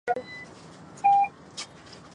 目前所有的矿山企业都在应用。